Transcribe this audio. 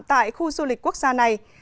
tại khu du lịch quốc gia này